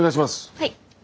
はい。